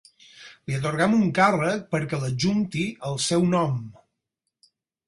Li atorguem un càrrec perquè l'adjunti al seu nom.